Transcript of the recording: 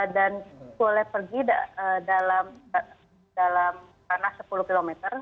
dan boleh pergi dalam tanah sepuluh km